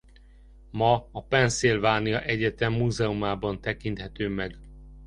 Ma a Pennsylvania Egyetem múzeumában tekinthető meg.